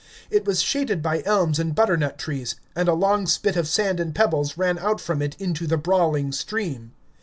It was shaded by elms and butternut trees, and a long spit of sand and pebbles ran out from it into the brawling stream.